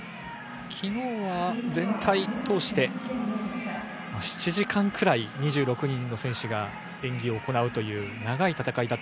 昨日は全体通して７時間くらい２６人の選手が演技を行う長い戦いです